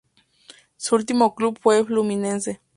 Su último club fue Fluminense.